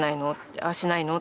ああしないの？って。